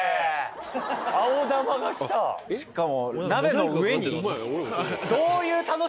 しかも。